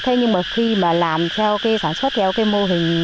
thế nhưng mà khi mà làm theo cái sản xuất theo cái mô hình